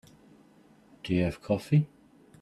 Do you have coffee?